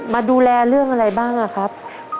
มาดูแลเรื่องอะไรบ้างอะครับ